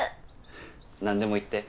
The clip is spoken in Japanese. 何でも言って。